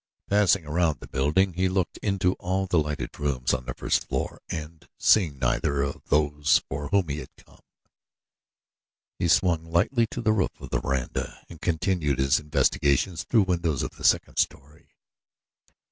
Passing around the building he looked into all the lighted rooms on the first floor and, seeing neither of those for whom he had come, he swung lightly to the roof of the veranda and continued his investigations through windows of the second story.